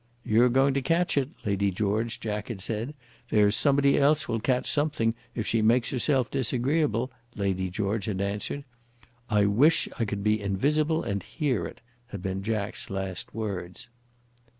"You're going to catch it, Lady George," Jack had said. "There's somebody else will catch something if she makes herself disagreeable," Lady George had answered. "I wish I could be invisible and hear it," had been Jack's last words.